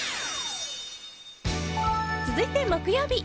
続いて木曜日。